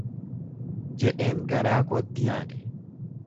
jedheen garaa kootti yaade;